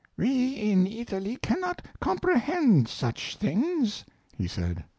"We in Italy cannot comprehend such things," he said.